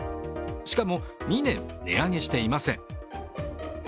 しかも２年値上げしていません。